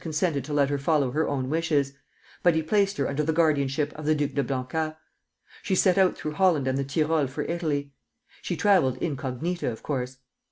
consented to let her follow her own wishes; but he placed her under the guardianship of the Duc de Blancas. She set out through Holland and the Tyrol for Italy. She travelled incognita, of course.